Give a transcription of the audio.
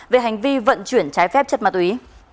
về hành vi vận chuyển trái phép chất ma túy